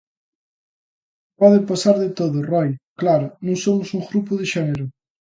Pode pasar de todo Roi: Claro, non somos un grupo de xénero.